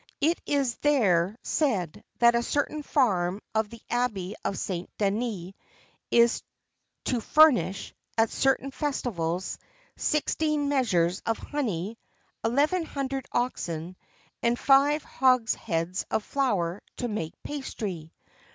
It is there said that a certain farm of the Abbey of St. Denis is to furnish, at certain festivals, sixteen measures of honey, eleven hundred oxen, and five hogsheads of flour to make pastry.